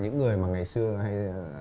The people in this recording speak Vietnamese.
những người mà ngày xưa hay